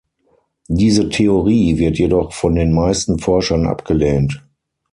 Diese Theorie wird jedoch von den meisten Forschern abgelehnt.